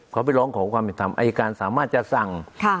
เขาไปร้องขอความเป็นธรรมอายการสามารถจะสั่ง